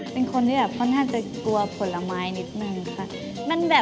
เป็นคนที่แบบค่อนข้างจะกลัวผลไม้นิดนึงค่ะ